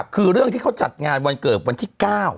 คือเรื่องที่เขาจัดงานวันเกิดวันที่๙